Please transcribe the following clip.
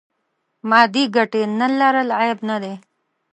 مادې ګټې نه لرل عیب نه دی.